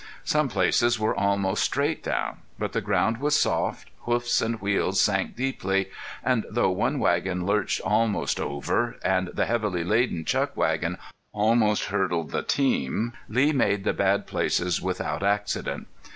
Some places were almost straight down. But the ground was soft, hoofs and wheels sank deeply, and though one wagon lurched almost over, and the heavily laden chuck wagon almost hurdled the team, Lee made the bad places without accident.